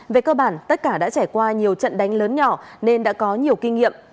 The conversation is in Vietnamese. về cơ bản tất cả đã trải qua nhiều trận đánh lớn nhỏ nên đã có nhiều kinh nghiệm